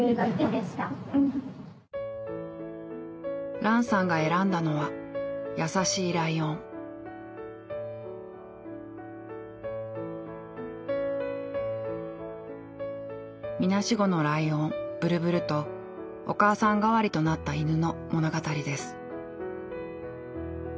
ランさんが選んだのはみなしごのライオンブルブルとお母さん代わりとなった犬の物語です。